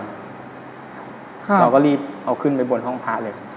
เราก็รีบเอาขึ้นไปบนห้องพระเลย